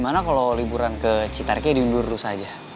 gimana kalau liburan ke citariknya diundur terus aja